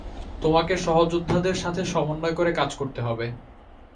তোমাকে সহযোদ্ধাদের সাথে সমন্বয় করে কাজ করতে হবে!